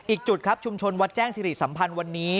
อีกจุดครับชุมชนวัดแจ้งสิริสัมพันธ์วันนี้